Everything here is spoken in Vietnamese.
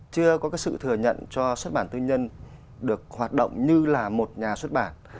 chưa có cái sự thừa nhận cho xuất bản tư nhân được hoạt động như là một nhà xuất bản